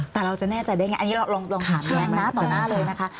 แต่เราจะแน่ใจได้ไงอันนี้เราลองถามแย้งนะต่อหน้าเลยนะคะ